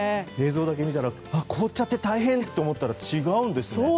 映像だけ見たら凍っちゃって大変と思ったら違うんですね。